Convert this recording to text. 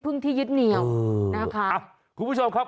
เพิ่งที่ยึดเหนี่ยวนะคะอ่ะคุณผู้ชมครับ